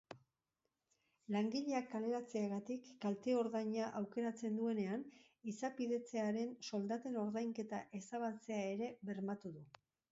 Langileak kaleratzeagatik kalte-ordaina aukeratzen duenean izapidetzearen soldaten ordainketa ezabatzea ere bermatu du.